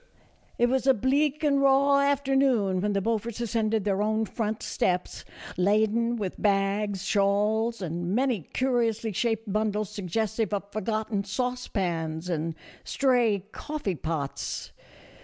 It was a bleak and raw afternoon when the Beau forts ascended their own front steps, laden with bags, shawls, and many curiously shaped bundles suggestive of forgotten saucepans and stray coffee pots.